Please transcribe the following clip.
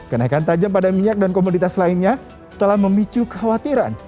kenaikan tajam pada minyak dan komoditas lainnya telah memicu kekhawatiran